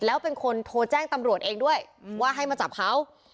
แล้วเป็นคนโทรแจ้งตำรวจเองด้วยว่าให้มาจับเขา